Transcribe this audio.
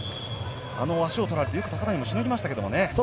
足を取られて、よく高谷しのぎましたね。